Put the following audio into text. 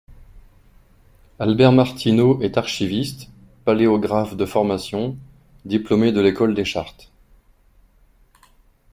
Albert Martineau est archiviste paléographe de formation, diplômé de l'École des chartes.